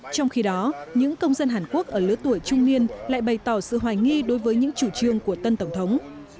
trong khi đó những công dân hàn quốc ở lứa tuổi trung niên lại bày tỏ sự hoài nghi đối với những chủ trương của tân tổng thống